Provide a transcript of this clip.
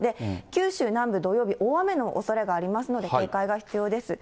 九州南部、土曜日、大雨のおそれがありますので、警戒が必要です。